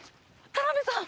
田辺さん。